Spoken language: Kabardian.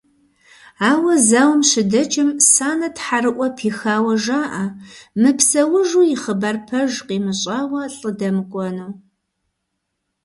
Ар зауэм щыдэкӏым, Санэ тхьэрыӏуэ пихауэ жаӏэ мыпсэужу и хъыбар пэж къимыщӏауэ лӏы дэмыкӏуэну.